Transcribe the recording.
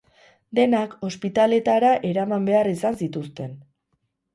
Denak ospitaletara eraman behar izan zituzten.